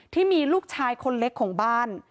ที่มีลูกชายคนเล็กของบ้าน